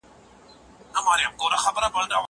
زه به سبا درسونه ولوستم؟!